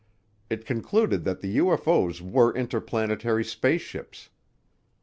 It concluded that the UFO's were interplanetary spaceships.